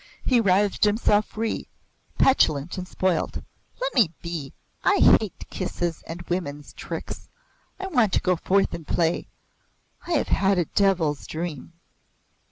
He writhed himself free, petulant and spoilt. "Let me be. I hate kisses and women's tricks. I want to go forth and play. I have had a devil's dream.